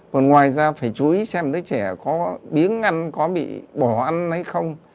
còn ngoài ra phải chú ý xem đứa trẻ có biếng ăn có bị bỏ ăn hay không